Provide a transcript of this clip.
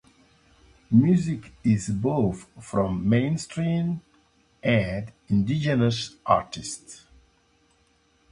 Music is both from mainstream and indigenous artists.